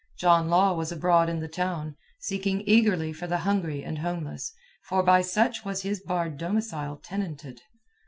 John Law was abroad in the town, seeking eagerly for the hungry and homeless, for by such was his barred domicile tenanted.